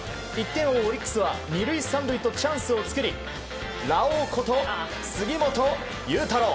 １点を追うオリックスは２塁３塁とチャンスを作りラオウこと杉本裕太郎。